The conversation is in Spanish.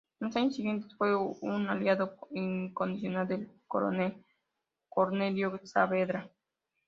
En los años siguientes fue un aliado incondicional del coronel Cornelio Saavedra.